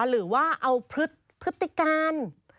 หรือว่าเอาพฤติการ